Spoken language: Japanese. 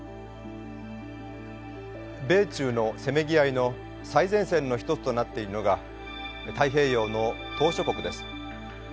米中のせめぎ合いの最前線の一つとなっているのが太平洋の島しょ国です。